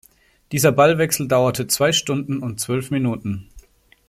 Dieser Ballwechsel dauerte zwei Stunden und zwölf Minuten.